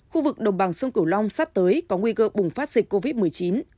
khu vực đồng bằng sông cửu long sắp tới có nguy cơ bùng phát dịch covid một mươi chín